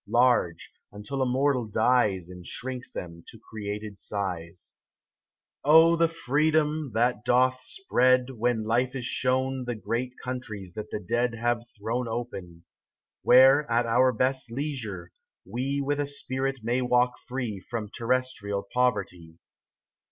Large, until a mortal dies And shrinks them to created size, O the freedom, that doth spread, When life is shown The great countries that the dead Have open thrown ; Where at our best leisure, we With a spirit may walk free From terrestrial poverty.